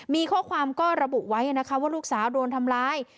มีข้อความก็ระบุไว้นะคะว่าลูกสาวโดนทำร้าย